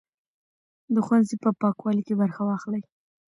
د ښوونځي په پاکوالي کې برخه واخلئ.